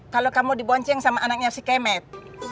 kalo kamu diboncing sama anaknya si kemet